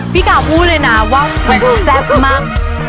พี่กราบพูดเลยนะว่าแปดแซ่บมาก